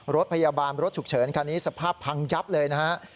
รถพยาบาลรถฉุกเฉินคันนี้สภาพพังยับเลยนะฮะ